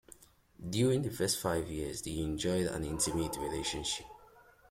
During the first five years, they enjoyed an intimate relationship.